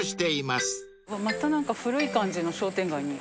また何か古い感じの商店街に。